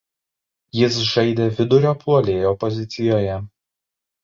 Jis žaidė vidurio puolėjo pozicijoje.